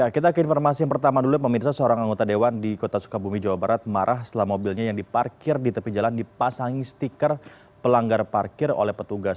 kita ke informasi yang pertama dulu pemirsa seorang anggota dewan di kota sukabumi jawa barat marah setelah mobilnya yang diparkir di tepi jalan dipasangi stiker pelanggar parkir oleh petugas